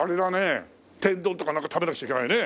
天丼とかなんか食べなくちゃいけないね。